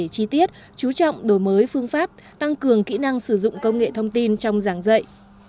chi tiết chú trọng đổi mới phương pháp tăng cường kỹ năng sử dụng công nghệ thông tin trong giảng dạy